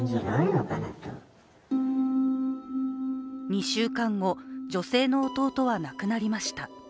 ２週間後、女性の弟は亡くなりました。